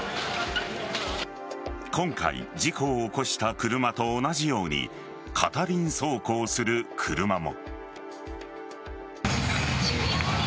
今回事故を起こした車と同じように片輪走行する車も。